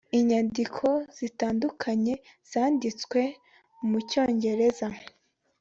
inyandiko zitandukanye zanditswe mu cyongereza.